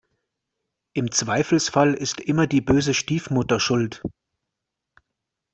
Im Zweifelsfall ist immer die böse Stiefmutter schuld.